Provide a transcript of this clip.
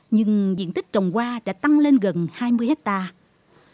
nhưng diện tích trồng hoa đã tăng lên gần hai mươi hectare